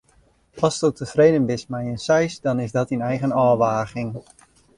Asto tefreden bist mei in seis, dan is dat dyn eigen ôfwaging.